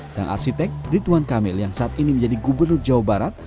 sang arsitek rituan kamil yang saat ini menjadi gubernur jawa barat